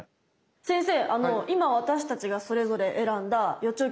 先生